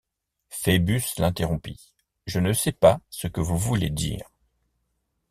Phœbus l’interrompit. — Je ne sais pas ce que vous voulez dire.